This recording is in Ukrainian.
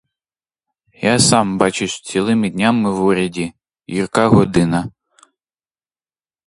Я сам, бачиш, цілими днями в уряді, — гірка година!